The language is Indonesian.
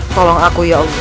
tolong aku ya allah